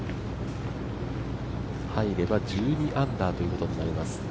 入れば１２アンダーということになります。